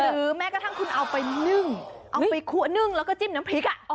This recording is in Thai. แม้กระทั่งคุณเอาไปนึ่งเอาไปคัวนึ่งแล้วก็จิ้มน้ำพริก